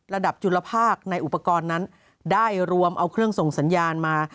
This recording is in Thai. จุลภาคในอุปกรณ์นั้นได้รวมเอาเครื่องส่งสัญญาณมา